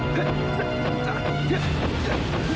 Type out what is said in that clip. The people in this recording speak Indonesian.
kalau mereka selalu lalu